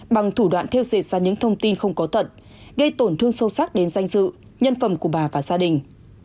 bằng thủ đoạn theo dệt ra những thông tin không có tận gây tổn thương sâu sắc đến danh dự nhân phẩm của bà và gia đình